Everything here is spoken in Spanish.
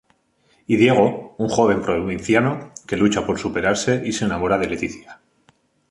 Y Diego, un joven provinciano que lucha por superarse y se enamora de Leticia.